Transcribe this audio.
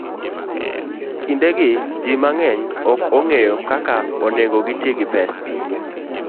Kindegi, ji mang'eny ok ong'eyo kaka onego giti gi pesa